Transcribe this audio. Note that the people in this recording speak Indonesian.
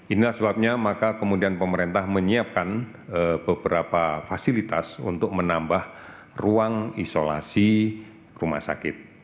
inilah sebabnya maka kemudian pemerintah menyiapkan beberapa fasilitas untuk menambah ruang isolasi rumah sakit